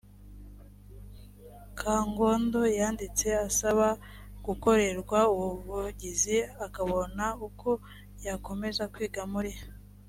kangondo yanditse asaba gukorerwa ubuvugizi akabona uko yakomeza kwiga muri